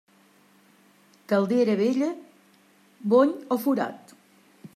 Caldera vella, bony o forat.